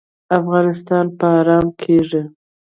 افغانستان به ارام کیږي؟